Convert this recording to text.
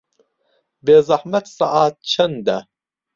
بێزەحمەت سەعات چەندە؟